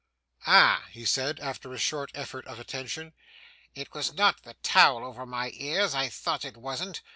'Ah!' he said after a short effort of attention, 'it was not the towel over my ears, I thought it wasn't.